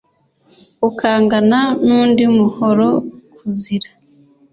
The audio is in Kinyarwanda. ukangana n’undi muhora-kuzira